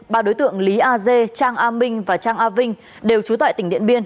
ba đối tượng lý a dê trang a minh và trang a vinh đều trú tại tỉnh điện biên